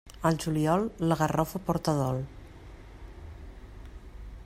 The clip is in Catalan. Al juliol, la garrofa porta dol.